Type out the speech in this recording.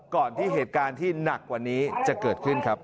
ก่อนที่เหตุการณ์ที่หนักกว่านี้จะเกิดขึ้นครับ